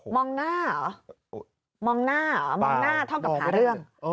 มองหน้าเหรอมองหน้าเหรอมองหน้าเท่ากับหาเรื่อง